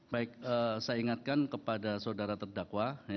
baik saya ingatkan kepada saudara terdakwa